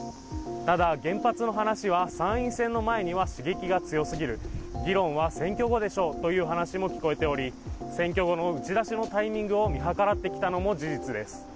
ただ、原発の話は参院選の前には刺激が強すぎる、議論は選挙後でしょうという話も聞こえており選挙後の打ち出しのタイミングを見計らってきたのも事実です。